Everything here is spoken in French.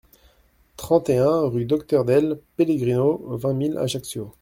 trente et un rue Docteur Dell Pellegrino, vingt mille Ajaccio